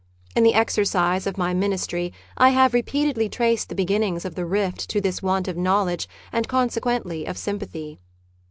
In the exercise of my ministry I have repeatedly traced the beginnings of the rift to this want of knowledge and consequently of sympathy.